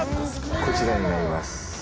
こちらになります。